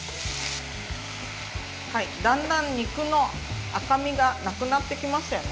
だんだん肉の赤みがなくなってきましたよね。